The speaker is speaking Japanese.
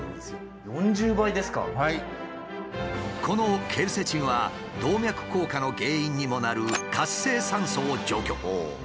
このケルセチンは動脈硬化の原因にもなる活性酸素を除去。